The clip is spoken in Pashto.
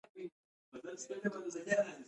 افغانستان د پکتیا د ترویج لپاره پروګرامونه لري.